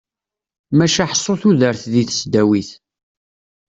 Maca ḥsu tudert deg tesdawit.